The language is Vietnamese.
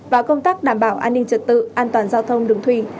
và công tác đảm bảo an ninh trật tự an toàn giao thông đường thủy